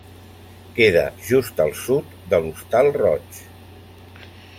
Queda just al sud de l'Hostal Roig.